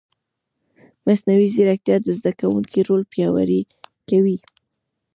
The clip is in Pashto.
مصنوعي ځیرکتیا د زده کوونکي رول پیاوړی کوي.